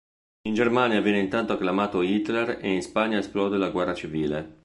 In Germania viene intanto acclamato Hitler e in Spagna esplode la Guerra civile.